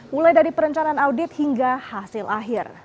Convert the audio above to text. mulai dari perencanaan audit hingga hasil akhir